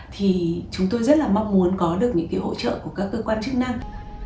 thì chúng tôi rất là mong muốn có được những cái hỗ trợ của các cơ quan chức năng